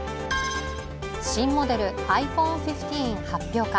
新モデル、ｉＰｈｏｎｅ１５発表か。